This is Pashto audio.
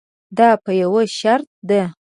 دا په یوه شرط ده.